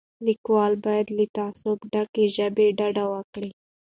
لیکوال باید له تعصب ډکې ژبې ډډه وکړي.